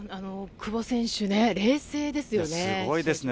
久保選手ね、冷静ですよね。